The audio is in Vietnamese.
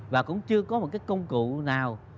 và cũng chưa có một cái công cụ nào